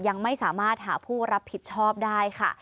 ยังไม่สามารถหาผู้รับผิดชอบได้ค่ะ